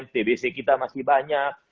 tbc kita masih banyak